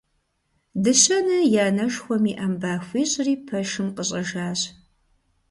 Дыщэнэ и анэшхуэм и Ӏэм ба хуищӀри, пэшым къыщӀэжащ.